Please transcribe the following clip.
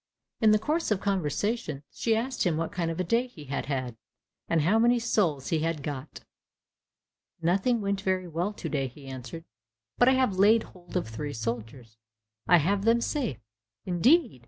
In the course of conversation, she asked him what kind of a day he had had, and how many souls he had got? "Nothing went very well to day," he answered, "but I have laid hold of three soldiers, I have them safe." "Indeed!